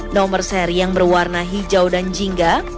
nomor seri yang berwarna hijau dan jingga